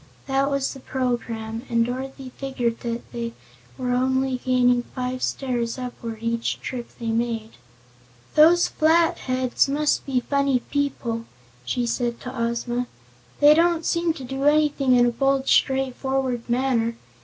That was the program, and Dorothy figured that they were only gaining five stairs upward each trip that they made. "Those Flatheads must be funny people," she said to Ozma. "They don't seem to do anything in a bold straightforward manner.